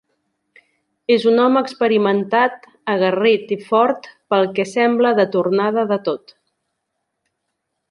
És un home experimentat, aguerrit i fort, pel que sembla de tornada de tot.